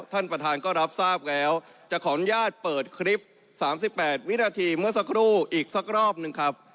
ท่านประธานก็รับทราบแล้วจะขออนุญาตเปิดคลิป๓๘วินาทีเมื่อสักครู่อีกสักรอบหนึ่งครับ